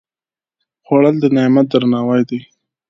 خوړل د نعمت درناوی دی